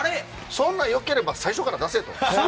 そんな良ければ最初から出せと。